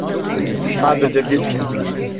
Sadece bir kez.